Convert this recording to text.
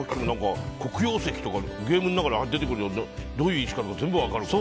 黒曜石とかゲームの中で出てくるとどういう石か全部分かるから。